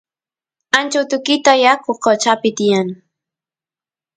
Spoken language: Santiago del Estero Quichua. ancha utukita yaku qochapi tiyan